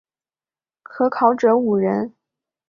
可考者五人。